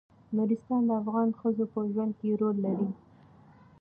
نورستان د افغان ښځو په ژوند کې رول لري.